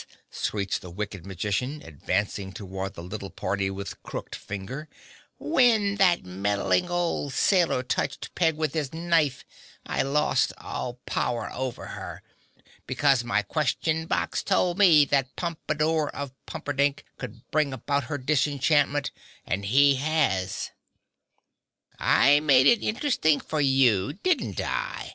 screeched the wicked magician, advancing toward the little party with crooked finger, "when that meddling old sailor touched Peg with his knife I lost all power over her; because my Question Box told me that Pompadore of Pumperdink could bring about her disenchantment and he has. I made it interesting for you, didn't I?